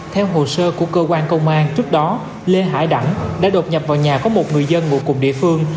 theo hồ sơ của cơ quan công an trước đó lê hải đặng đã đột nhập vào nhà có một người dân ngồi cùng địa phương